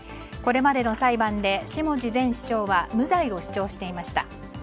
これまでの裁判で下地前市長は無罪を主張していました。